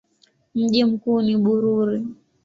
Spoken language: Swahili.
Mji mkuu ni Bururi.